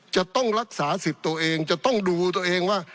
จะต้องรักษาสิทธิ์ตัวเองจะต้องดูตัวเองว่า